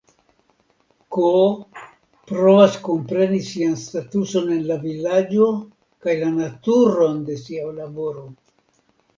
K. provas kompreni sian statuson en la vilaĝo kaj la naturon de sia laboro.